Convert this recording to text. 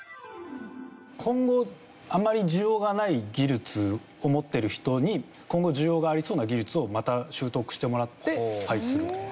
今後あまり需要がない技術を持っている人に今後需要がありそうな技術をまた習得してもらって配置する。